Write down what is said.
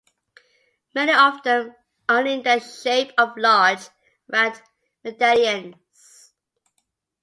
Many of them are in the shape of large, round medallions.